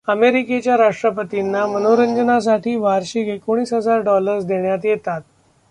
अमेरिकेच्या राष्ट्रपतींना मनोरंजनासाठी वार्षिक एकोणीस हजार डॉलर्स देण्यात येतात.